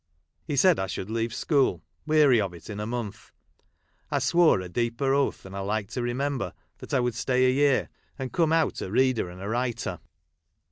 He said I should leave school, weary of it in a month. I swore a deeper oath than I like to remember, that I would stay a year, and come out a reader and a writer.